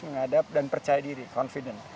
menghadap dan percaya diri confident